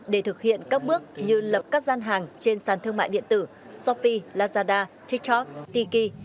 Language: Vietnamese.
để thực hiện các bước như lập các gian hàng trên sàn thương mại điện tử shopee lazada tiktok tiki